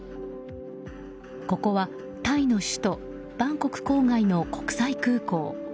ここはタイの首都バンコク郊外の国際空港。